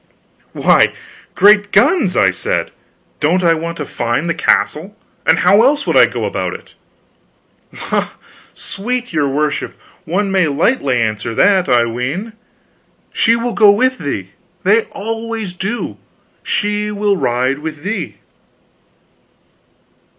"Why, great guns," I said, "don't I want to find the castle? And how else would I go about it?" "La, sweet your worship, one may lightly answer that, I ween. She will go with thee. They always do. She will ride with thee."